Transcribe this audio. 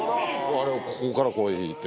あれをここからここへ敷いて。